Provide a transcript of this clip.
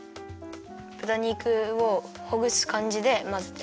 ぶた肉をほぐすかんじでまぜて。